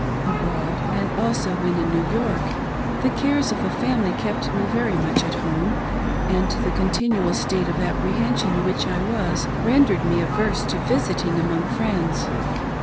Abroad, and also when in New York, the cares of a family kept me very much at home, and the con tinual state of apprehension in which I was, rendered me averse t6 visiting among friends.